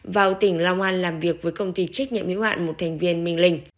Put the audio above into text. vào tỉnh long an làm việc với công ty trách nhiệm hiếu hạn một thành viên minh linh